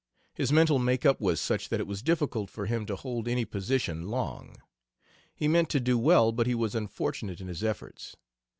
His mental make up was such that it was difficult for him to hold any position long. He meant to do well, but he was unfortunate in his efforts.